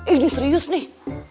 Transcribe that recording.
ini serius nih